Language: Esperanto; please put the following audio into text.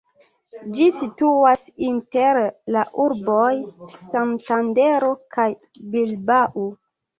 Ĝi situas inter la urboj Santandero kaj Bilbao.